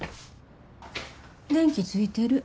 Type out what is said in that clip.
電気ついてる。